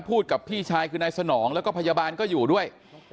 กับพี่ชายคือนายสนองแล้วก็พยาบาลก็อยู่ด้วย